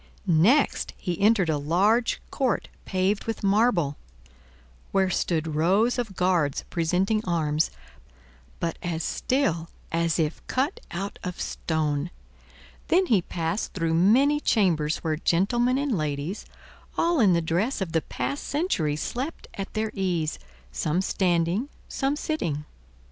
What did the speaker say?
Next he entered a large court paved with marble, where stood rows of guards presenting arms, but as still as if cut out of stone; then he passed through many chambers where gentlemen and ladies, all in the dress of the past century, slept at their ease, some standing, some sitting.